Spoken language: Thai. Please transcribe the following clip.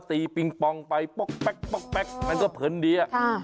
ปิงปองไปป๊อกแป๊กมันก็เผินดี